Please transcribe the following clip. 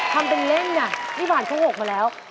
ทำเป็นเล่นอ่ะนี่ผ่านข้อ๖มาแล้ว